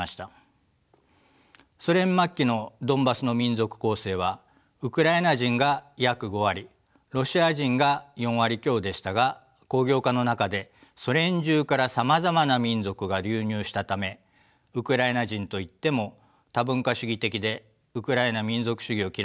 ソ連末期のドンバスの民族構成はウクライナ人が約５割ロシア人が４割強でしたが工業化の中でソ連中からさまざまな民族が流入したためウクライナ人といっても多文化主義的でウクライナ民族主義を嫌い